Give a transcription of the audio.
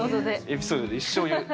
エピソードで一生言う。